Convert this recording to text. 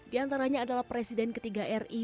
di antaranya adalah presiden ketiga ri